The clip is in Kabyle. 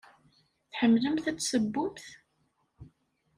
Tḥemmlemt ad tessewwemt?